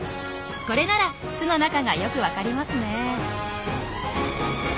これなら巣の中がよく分かりますねえ。